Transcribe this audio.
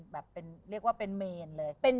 เรียกว่าเป็นเมนเลย